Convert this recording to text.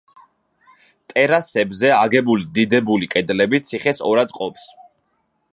ტერასებზე აგებული დიდებული კედლები ციხეს ორად ყოფს.